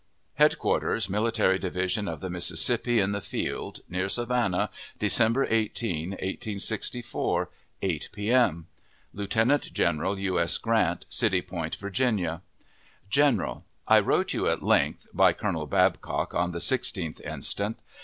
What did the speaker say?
HEADQUARTERS MILITARY DIVISION OF THE MISSISSIPPI, IN THE FIELD, NEAR SAVANNAH, December 18, 1864 8 p.m. Lieutenant General U. S. GRANT, City Point, Virginia. GENERAL: I wrote you at length (by Colonel Babcock) on the 16th instant.